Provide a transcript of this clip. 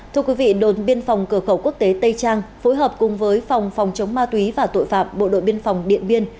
thưa quý vị đồn biên phòng cửa khẩu quốc tế tây trang phối hợp cùng với phòng phòng chống ma túy và tội phạm bộ đội biên phòng điện biên